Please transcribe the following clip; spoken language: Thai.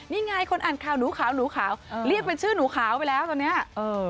นี่ไงคนอ่านข่าวหนูขาวหนูขาวเรียกเป็นชื่อหนูขาวไปแล้วตอนเนี้ยเออ